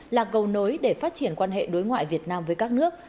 là cầu nối để phát triển quan hệ đối ngoại việt nam với các nước